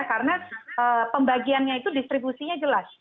karena pembagiannya itu distribusinya jelas